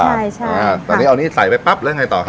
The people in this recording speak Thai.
ใช่ใช่อ่าตอนนี้เอานี่ใส่ไปปั๊บแล้วไงต่อครับ